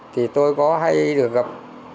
thì tôi có hay được gặp